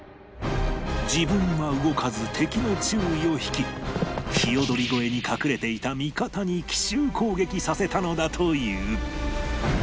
自分は動かず敵の注意を引きひよどり越えに隠れていた味方に奇襲攻撃させたのだという